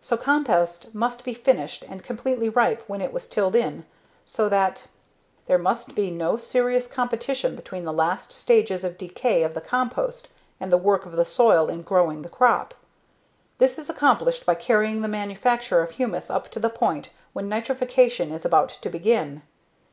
So compost must be finished and completely ripe when it was tilled in so that: "... there must be no serious competition between the last stages of decay of the compost and the work of the soil in growing the crop. This is accomplished by carrying the manufacture of humus up to the point when nitrification is about to begin.